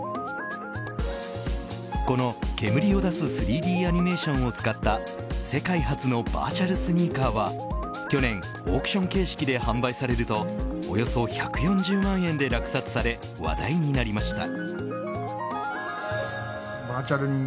この、煙を出す３Ｄアニメーションを使った世界初のバーチャルスニーカーは去年、オークション形式で販売されるとおよそ１４０万円で落札され話題になりました。